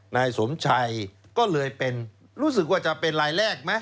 นายสมชัยก็เลยเป็นรู้สึกว่าจะเป็นรายแรกไหม